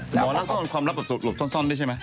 หรอแล้วเค้าก็คำลักษณ์ร่บจับจุดหลุบซ่อนดิใช่ไหม